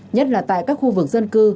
nhất là tại các khu vực dân cư